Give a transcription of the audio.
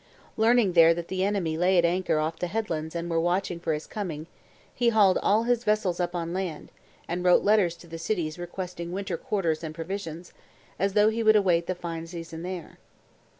Learning there that the enemy lay at anchor off the headlands and were watching for his coming, he hauled all his vessels up on land, and wrote letters to the cities requesting winter quarters and provisions, as though he would await the fine season there.